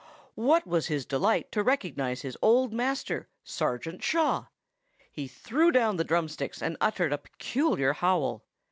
What was his delight to recognize his old master, Sergeant Shaw! He threw down the drumsticks and uttered a peculiar howl.